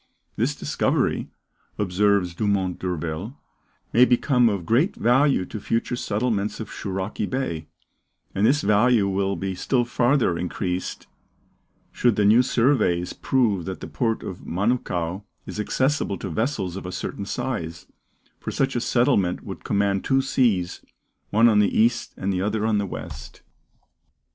This discovery, observes Dumont d'Urville, may become of great value to future settlements of Shouraki Bay; and this value will be still farther increased should the new surveys prove that the port of Manukau is accessible to vessels of a certain size, for such a settlement would command two seas, one on the east and the other on the west.